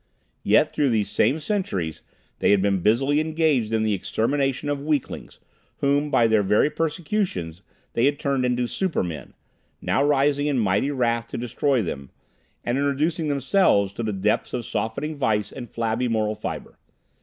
Yet through these same centuries they had been busily engaged in the extermination of "weaklings," whom, by their very persecutions, they had turned into "super men," now rising in mighty wrath to destroy them; and in reducing themselves to the depths of softening vice and flabby moral fiber.